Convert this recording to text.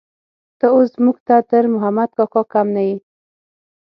ته اوس موږ ته تر محمد کاکا کم نه يې.